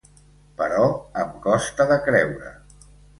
Però em costa de creure.